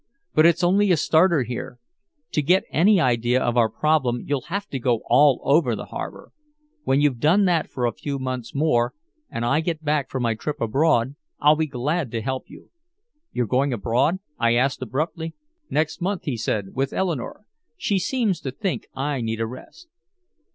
But it's only a starter here. To get any idea of our problem you'll have to go all over the harbor. When you've done that for a few months more, and I get back from my trip abroad, I'll be glad to help you." "You're going abroad?" I asked abruptly. "Next month," he said, "with Eleanore. She seems to think I need a rest."